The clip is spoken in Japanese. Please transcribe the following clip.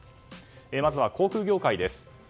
まずは航空業界です。